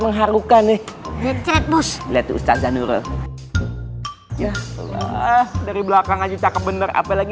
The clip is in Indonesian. mengharukan nih bos lihat ustaz zanurah ya allah dari belakang aja cakep bener apalagi